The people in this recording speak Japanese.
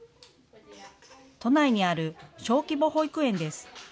都内にある小規模保育園です。